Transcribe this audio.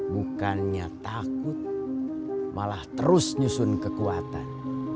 bukannya takut malah terus nyusun kekuatan